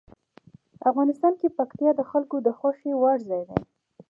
افغانستان کې پکتیا د خلکو د خوښې وړ ځای دی.